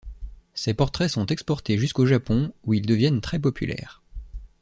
Ces portraits sont exportés jusqu'au Japon où ils deviennent très populaires.